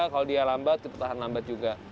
kalau dia lambat kita tahan lambat juga